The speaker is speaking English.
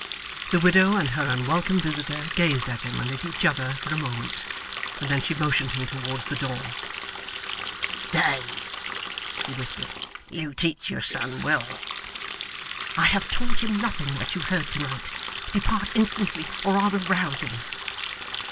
The widow and her unwelcome visitor gazed at him and at each other for a moment, and then she motioned him towards the door. 'Stay,' he whispered. 'You teach your son well.' 'I have taught him nothing that you heard to night. Depart instantly, or I will rouse him.